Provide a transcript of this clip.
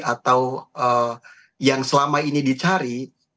atau yang selama ini dicari